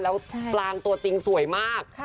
แล้วกลางตัวจริงสวยมาก